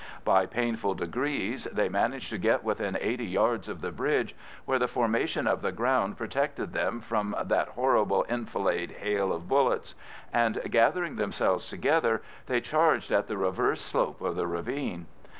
By painful degrees they managed to get within eighty yards of the bridge, where the formation of the ground protected them from that horrible enfilade hail of bullets, and gathering themselves together they charged at the reverse slope of the ravine.